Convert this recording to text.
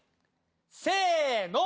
せの！